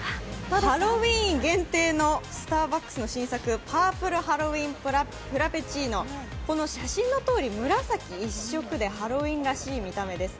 ハロウィーン限定のスターバックスの新作パープルハロウィンフラペチーノ、この写真のとおり紫一色でハロウィーンらしい見た目です。